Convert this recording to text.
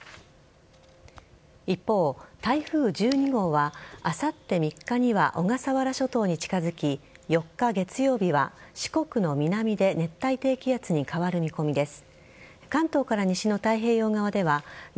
一方、台風１２号はあさって３日には小笠原諸島に近づき４日月曜日は四国の南で熱帯低気圧に変わる見込みです。